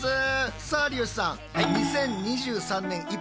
さあ有吉さん